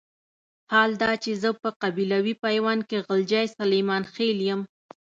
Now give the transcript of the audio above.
حال دا چې زه په قبيلوي پيوند کې غلجی سليمان خېل يم.